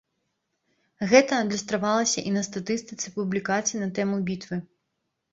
Гэта адлюстравалася і на статыстыцы публікацый на тэму бітвы.